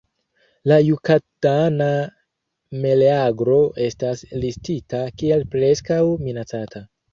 La Jukatana meleagro estas listita kiel "Preskaŭ Minacata".